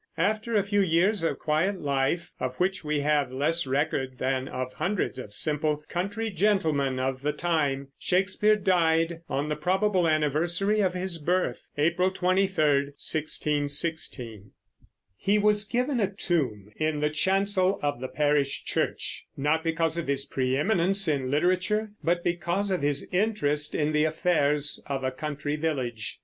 After a few years of quiet life, of which we have less record than of hundreds of simple country gentlemen of the time, Shakespeare died on the probable anniversary of his birth, April 23, 1616. He was given a tomb in the chancel of the parish church, not because of his preëminence in literature, but because of his interest in the affairs of a country village.